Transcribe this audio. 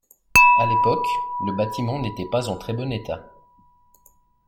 À l'époque, le bâtiment n’était pas en très bon état.